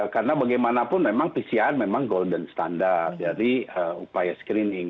karena bagaimanapun memang pcr memang golden standard dari upaya screening